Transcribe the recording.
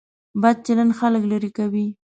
بد چلند خلک لرې کوي.